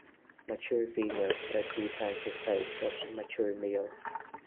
Mature females are three times the size of mature males.